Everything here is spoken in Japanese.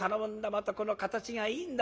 またこの形がいいんだ。